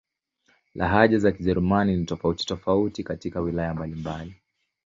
Lahaja za Kijerumani ni tofauti-tofauti katika wilaya mbalimbali.